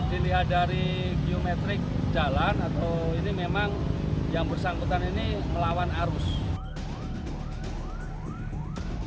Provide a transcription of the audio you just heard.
dilihat dari geometrik jalan atau ini memang yang bersangkutan ini melawan arus